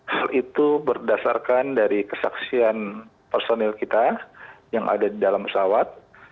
hal itu berdasarkan dari kesaksian personil kita yang ada di dalam pesawat